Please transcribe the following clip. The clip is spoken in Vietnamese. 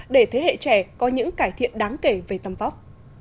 để thế hệ trẻ có những cải thiện đáng kể về tâm vóc